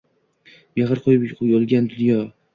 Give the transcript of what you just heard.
Mehr quyib yolgon dunyoga